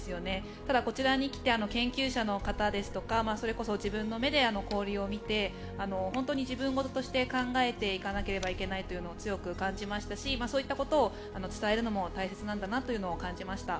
ただ、こちらに来て研究者の方ですとかそれこそ自分の目で氷を見て本当に自分事として考えていかないといけないということを強く感じましたしそういったことを伝えるのも大切なんだなと感じました。